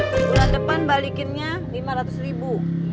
bulan depan balikinnya lima ratus ribu